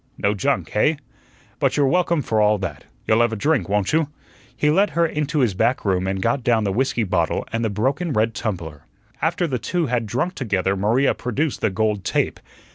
No junk, hey? But you're welcome for all that. You'll have a drink, won't you?" He led her into his back room and got down the whiskey bottle and the broken red tumbler. After the two had drunk together Maria produced the gold "tape."